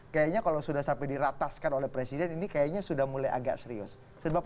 kayaknya kalau sudah sampai dirataskan oleh presiden ini kayaknya sudah mulai agak serius